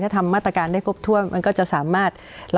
ถ้าทำมาตรการได้ครบถ้วนมันก็จะสามารถ